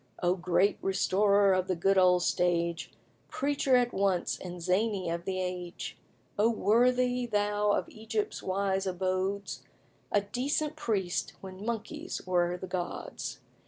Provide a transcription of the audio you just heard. O great restorer of the good old stage, Preacher at once and zany of the age! O worthy thou of Egypt's wise abodes! A decent priest when monkeys were the gods.